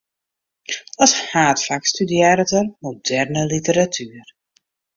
As haadfak studearret er moderne literatuer.